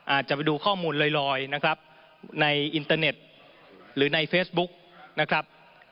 อาจจะไปดูข้อมูลลอยนะครับในอินเตอร์เน็ตหรือในเฟซบุ๊กนะครับ